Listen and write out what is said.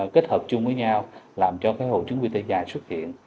kết hợp chung với nhau làm cho hội chứng quy tê giải xuất hiện